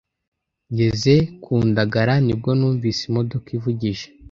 ngeze ku ndagara nibwo numvise imodoka ivugije